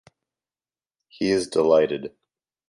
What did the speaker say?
He is delighted.